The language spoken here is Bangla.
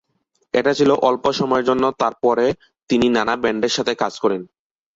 এটা ছিল অল্প সময়ের জন্য তার পরে তিনি নানা ব্যান্ডের সাথে কাজ করেন।